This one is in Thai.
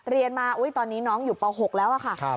เรียนมาตอนนี้น้องอยู่ป๖แล้วค่ะ